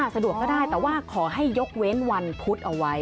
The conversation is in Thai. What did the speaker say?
สะดวกก็ได้แต่ว่าขอให้ยกเว้นวันพุธเอาไว้